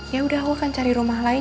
yaudah aku akan cari rumah lain